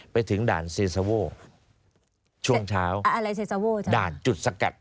ไปถึงด่านเซซาโว่ช่วงเช้าอะไรเซซาโวจ้ด่านจุดสกัด